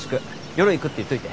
夜行くって言っといて。